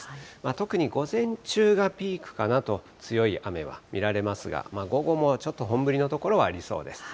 特に午前中がピークかなと、強い雨は見られますが、午後もちょっと本降りの所はありそうです。